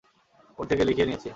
ওর থেকে লিখিয়ে নিয়েছি।